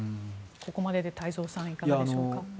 ここまでで太蔵さん、いかがでしょうか。